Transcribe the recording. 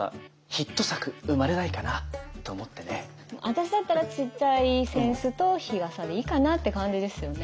私だったらちっちゃい扇子と日傘でいいかなって感じですよね。